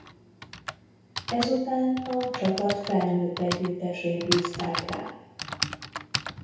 Ezután a csapat felnőtt együttesét bízták rá.